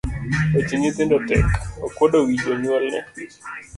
Weche nyithindo tek, okuodo wi jonyuolne.